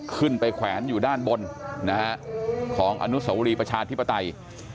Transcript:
ขึ้นไปแขวนอยู่ด้านบนนะฮะของอนุสาวรีประชาธิปไตย